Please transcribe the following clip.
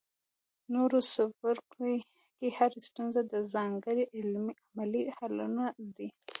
نورو څپرکو کې هرې ستونزې ته ځانګړي عملي حلونه دي.